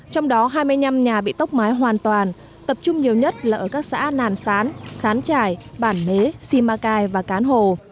trong đó hai mươi năm nhà bị tốc mái hoàn toàn tập trung nhiều nhất là ở các xã nàn sán sán trải bản nế simacai và cán hồ